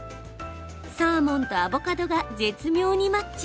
サーモンとアボカドが絶妙にマッチ。